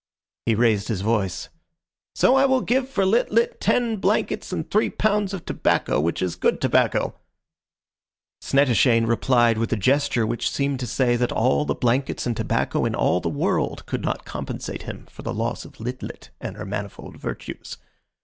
He raised his voice. "So I will give for Lit lit ten blankets and three pounds of tobacco which is good tobacco." Snettishane replied with a gesture which seemed to say that all the blankets and tobacco in all the world could not compensate him for the loss of Lit lit and her manifold virtues.